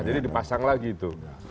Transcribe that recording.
jadi dipasang lagi itu